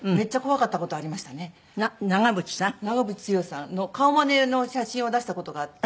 長渕剛さんの顔マネの写真を出した事があって。